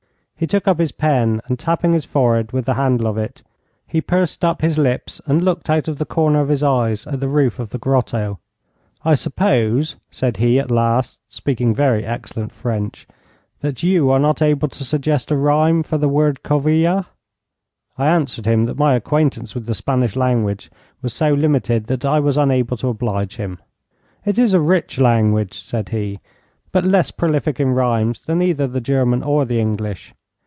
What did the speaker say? He took up his pen, and tapping his forehead with the handle of it, he pursed up his lips and looked out of the corner of his eyes at the roof of the grotto. 'I suppose,' said he at last, speaking very excellent French, 'that you are not able to suggest a rhyme for the word Covilha.' I answered him that my acquaintance with the Spanish language was so limited that I was unable to oblige him. 'It is a rich language,' said he, 'but less prolific in rhymes than either the German or the English.